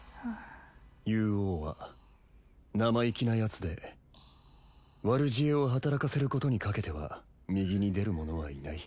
ユウオウは生意気なヤツで悪知恵を働かせることにかけては右に出る者はいない。